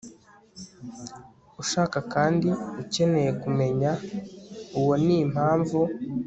ushaka kandi ukeneye kumenya uwo n'impamvu